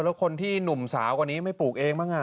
แล้วคนที่หนุ่มสาวคนนี้ไม่ปลูกเองบ้าง